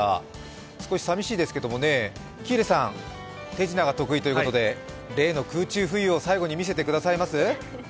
少しさみしいですけれどもね、手品が得意ということで例の空中浮遊を最後に見せてくださいます？